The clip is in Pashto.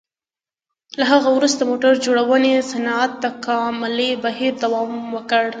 له هغه وروسته موټر جوړونې صنعت تکاملي بهیر دوام وکړ.